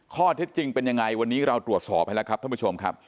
ข้อเท็จจริงเป็นยังไงวันนี้เราตรวจสอบให้แล้วครับท่านผู้ชมครับ